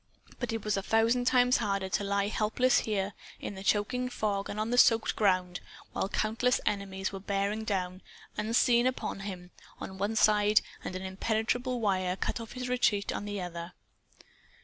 But it was a thousand times harder to lie helpless here, in the choking fog and on the soaked ground, while countless enemies were bearing down, unseen, upon him, on one side, and an impenetrable wire cut off his retreat on the other.